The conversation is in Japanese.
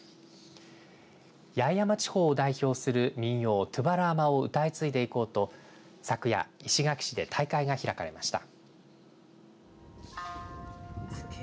八重山地方を代表する民謡とぅばらーまを歌い継いでいこうと昨夜石垣市で大会が開かれました。